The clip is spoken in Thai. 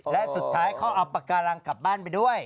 และสุดท้ายเขาเอาปากการังกลับบ้านไปด้วย